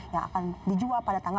yang akan dijual pada tanggal